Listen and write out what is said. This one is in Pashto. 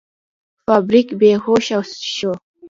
فلیریک بې هوښه شو.